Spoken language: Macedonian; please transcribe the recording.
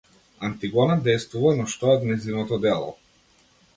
Антигона дејствува, но што е нејзиното дело?